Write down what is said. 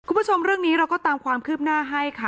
คุณผู้ชมเรื่องนี้เราก็ตามความคืบหน้าให้ค่ะ